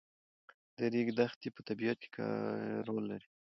د ریګ دښتې په طبیعت کې رول لري.